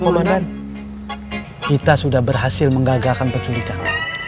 maaf lupa komandan kita sudah berhasil menggagalkan penculikan